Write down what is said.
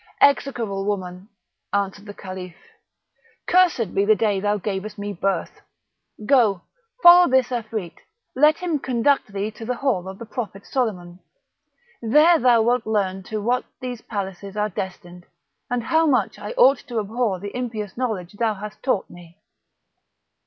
"Execrable woman!" answered the Caliph; "cursed be the day thou gavest me birth! go, follow this Afrit; let him conduct thee to the hall of the Prophet Soliman, there thou wilt learn to what these palaces are destined, and how much I ought to abhor the impious knowledge thou hast taught me."